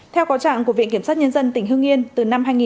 theo có trạng của viện kiểm sát nhân dân